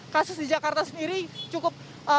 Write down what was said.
kasus di jakarta sendiri cukup